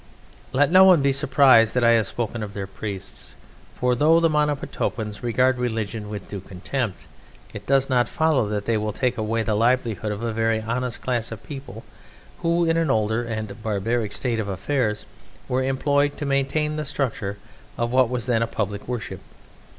Let no one be surprised that I have spoken of their priests, for though the Monomotapans regard religion with due contempt, it does not follow that they will take away the livelihood of a very honest class of people who in an older and barbaric state of affairs were employed to maintain the structure of what was then a public worship.